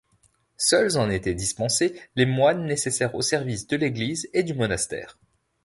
Seuls en étaient dispensés les moines nécessaires au service de l’église et du monastère.